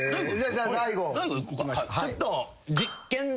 じゃあ大悟いきましょう。